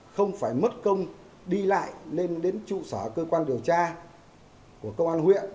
không phải mất công đi lại lên đến trụ sở cơ quan điều tra của công an huyện